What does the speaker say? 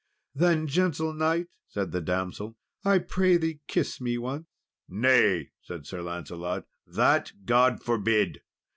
"Then, gentle knight," said the damsel, "I pray thee kiss me once." "Nay," said Sir Lancelot, "that God forbid!"